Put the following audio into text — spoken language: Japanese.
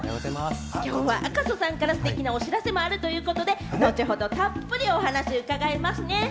きょうは赤楚さんからステキなお知らせもあるということで、後ほどたっぷりお話伺いますね。